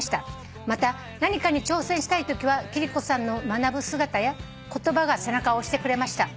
「また何かに挑戦したいときは貴理子さんの学ぶ姿や言葉が背中を押してくれました」